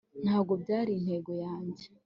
ntabwo byari intego yanjye